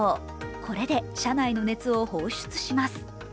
これで車内の熱を放出します。